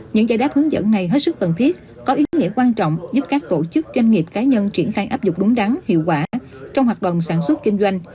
những giải đáp hướng dẫn này hết sức cần thiết có ý nghĩa quan trọng giúp các tổ chức doanh nghiệp cá nhân triển khai áp dụng đúng đắn hiệu quả trong hoạt động sản xuất kinh doanh